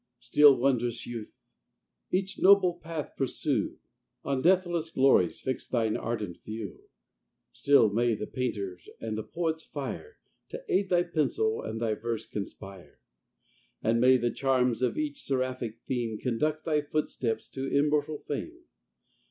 Still, wond'rous youth! each noble path pursue, On deathless glories fix thine ardent view: Still may the painter's and the poet's fire To aid thy pencil, and thy verse conspire! And may the charms of each seraphic theme Conduct thy footsteps to immortal fame!